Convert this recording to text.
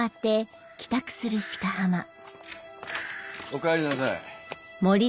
おかえりなさい。